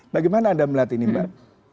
bagaimana anda melihat ini mbak